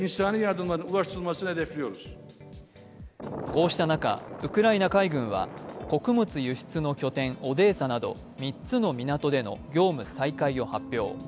こうした中ウクライナ海軍は、穀物輸出の拠点オデーサなど３つの港での業務再開を発表。